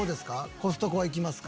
コストコは行きますか？